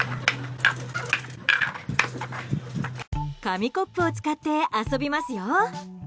紙コップを使って遊びますよ。